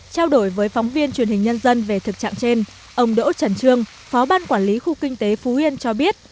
trao đổi với phóng viên truyền hình nhân dân về thực trạng trên ông đỗ trần trương phó ban quản lý khu kinh tế phú yên cho biết